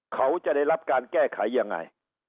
เขาจะได้รับการแก้ไขยังไง